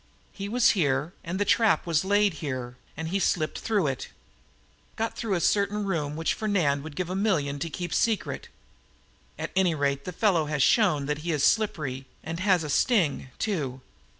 "He was here, and the trap was laid here, and he slipped through it. Got away through a certain room which Fernand would give a million to keep secret. At any rate the fellow has shown that he is slippery and has a sting, too.